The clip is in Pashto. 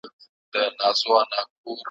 دا نظم مي وساته یو وخت به در یادیږي ,